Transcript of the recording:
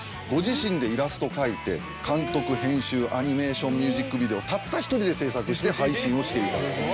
ご自身でイラスト描いて監督編集アニメーションミュージックビデオたった１人で制作して配信をしていた。